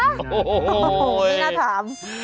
อ่ะโหไม่น่าถาม